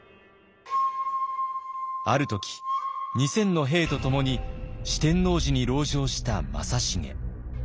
ある時２，０００の兵とともに四天王寺に籠城した正成。